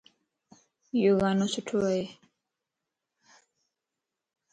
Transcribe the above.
ايو ڳانو سٺو ائي.